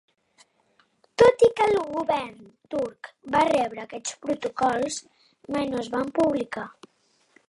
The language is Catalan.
Tot i que el govern turc va rebre aquests protocols, mai no es van publicar.